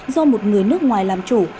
do một người nước ngoài làm chủ